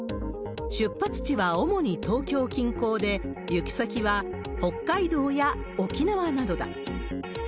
出発地は主に東京近郊で、行き先は北海道や沖縄などだ。